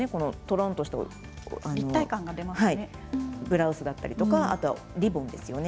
とろんとしたブラウスだったりリボンですよね。